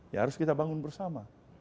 ya harus kita bangun bersama